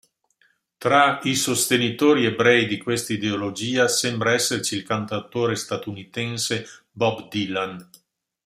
Tra i sostenitori ebrei di questa ideologia sembra esserci il cantautore statunitense Bob Dylan.